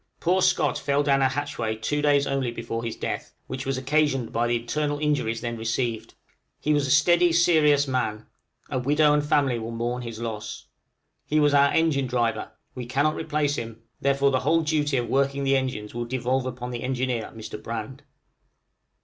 Poor Scott fell down a hatchway two days only before his death, which was occasioned by the internal injuries then received; he was a steady, serious man; a widow and family will mourn his loss. He was our engine driver; we cannot replace him, therefore the whole duty of working the engines will devolve upon the engineer, Mr. Brand.